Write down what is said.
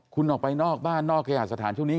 คุณออกไปนอกบ้านนอกเคหาสถานช่วงนี้